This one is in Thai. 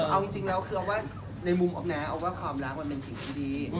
เอาจริงแล้วคือในมุมออกแนว่าความรักมันเป็นสิ่งที่ดี